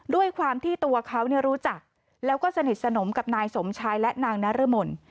ด้วยความที่ตัวเขารู้จักแล้วก็สนิทสนมกับนายสมชายและนางนรมน